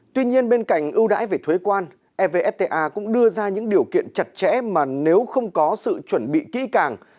tuy nhiên bên cạnh ưu đãi về thuế quan evfta cũng đưa ra những điều kiện chặt chẽ mà nếu không có sự chuẩn bị kỹ càng